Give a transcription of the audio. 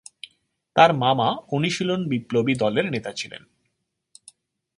তার মামা অনুশীলন বিপ্লবী দলের নেতা ছিলেন।